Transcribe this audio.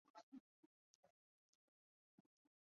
地域内有东急东横线与大井町线的交会站自由之丘站。